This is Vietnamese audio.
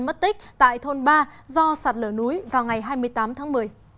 mất tích tại thôn ba do sạt lở núi vào ngày hai mươi tám tháng một mươi